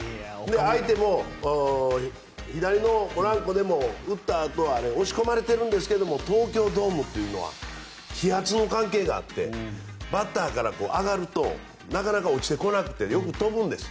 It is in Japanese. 相手も、左のポランコでも打ったあとは押し込まれてるんですけど東京ドームというのは気圧の関係があってバッターから上がるとなかなか落ちてこなくてよく飛ぶんです。